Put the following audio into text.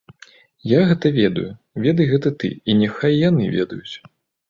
Я гэта ведаю, ведай гэта ты, і няхай яны ведаюць.